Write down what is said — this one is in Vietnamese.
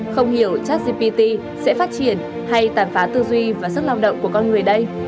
không hiểu chatgpt sẽ phát triển hay tàn phá tư duy và sức lao động của con người đây